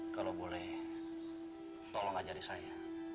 kalau boleh tolong ajari saya